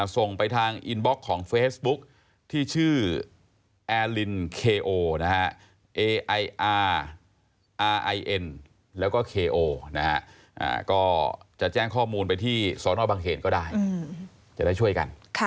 ที่เบอร์โทรศัพท์หมายเลข๐๘๙๔๔๔๔๗๙๙